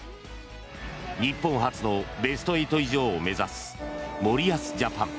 日本初のベスト８以上を目指す森保ジャパン。